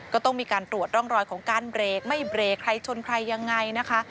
ก็ต้องมีการตรวจร่องรอยของการเบรกไม่เบรกใครชนใครยังไงนะคะ